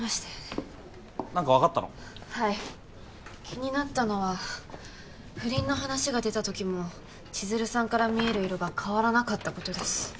気になったのは不倫の話が出た時も千弦さんから見える色が変わらなかったことです。